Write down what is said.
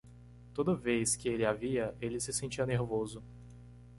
Toda vez que ele a via?, ele se sentia nervoso.